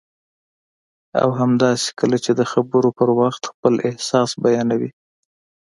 او همداسې کله چې د خبرو پر وخت خپل احساس بیانوي